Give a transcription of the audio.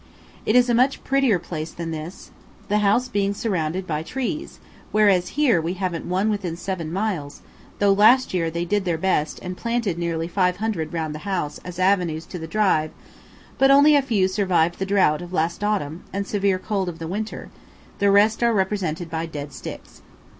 It is a much prettier place than this, the house being surrounded by trees, whereas here we haven't one within seven miles, though last year they did their best and planted nearly five hundred round the house as avenues to the drive; but only a few survived the drought of last autumn and severe cold of winter, the rest are represented by dead sticks.